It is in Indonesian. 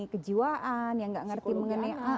kejiwaan yang nggak ngerti mengenai a